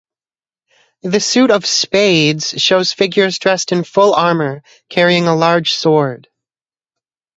The suit of "spades" shows figures dressed in full armour, carrying a large sword.